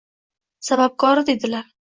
Sababkori, dedilar.